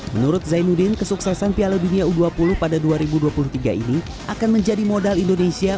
menurut zainuddin kesuksesan piala dunia u dua puluh pada dua ribu dua puluh tiga ini akan menjadi modal indonesia